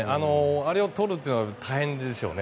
あれをとるというのは大変でしょうね。